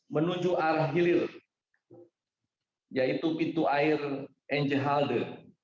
menuju arah hilir yaitu pintu air engehalde